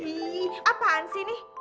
ih apaan sih ini